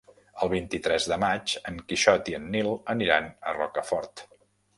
El vint-i-tres de maig en Quixot i en Nil aniran a Rocafort.